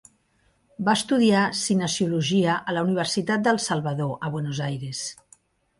Va estudiar cinesiologia a la Universitat del Salvador a Buenos Aires.